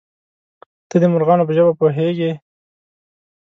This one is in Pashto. _ته د مرغانو په ژبه پوهېږې؟